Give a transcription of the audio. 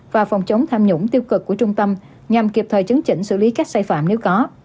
và phòng chống tham nhũng tiêu cực của trung tâm nhằm kịp thời chấn chỉnh xử lý các sai phạm nếu có